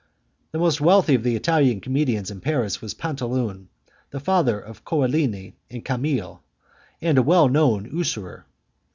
The most wealthy of the Italian comedians in Paris was Pantaloon, the father of Coraline and Camille, and a well known usurer.